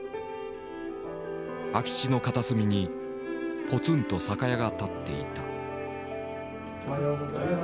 空き地の片隅にぽつんと酒屋が立っていた。